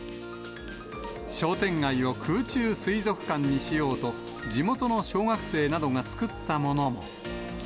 商店街を空中水族館にしようと、地元の小学生などが作ったものも。